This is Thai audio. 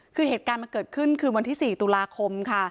คือเหตุการณ์มันเกิดขึ้นคืนวันที่๔ตุลาคมค่ะ